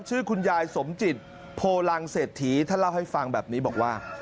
ชื่อคุณยายสมจิตโพลังเศรษฐีท่านเล่าให้ฟังแบบนี้บอกว่า